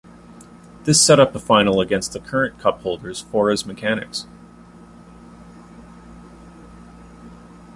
This set up a final against the current cup holders Forres Mechanics.